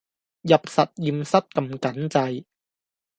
入實驗室㩒緊掣